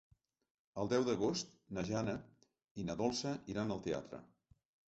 El deu d'agost na Jana i na Dolça iran al teatre.